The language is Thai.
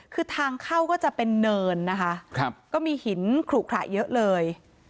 คือทางเข้าก็จะเป็นเนินนะคะก็มีหินขลุขระเยอะเลย